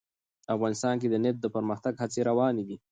افغانستان کې د نفت د پرمختګ هڅې روانې دي.